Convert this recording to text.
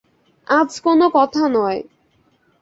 আজ কোনো কথা নয়।